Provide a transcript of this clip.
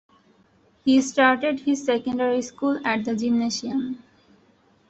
He started his secondary school at the gymnasium.